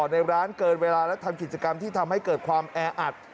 ในร้านเกินเวลาและทำกิจกรรมที่ทำให้เกิดความแออัด